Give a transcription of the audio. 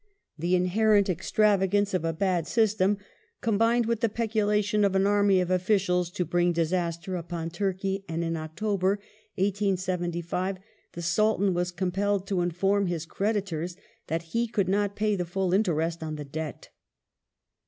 The inherent extravagance of a bad system combined with the peculation of an army of officials to bring disaster upon Turkey, and in October, 1875, the Sultan was com pelled to inform his creditors that he could not pay the full interest on the debt.